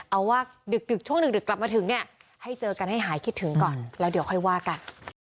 เอาว่าดึกช่วงดึกกลับมาถึงเนี่ยให้เจอกันให้หายคิดถึงก่อนแล้วเดี๋ยวค่อยว่ากัน